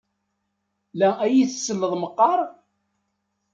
La iyi-tselleḍ meqqar?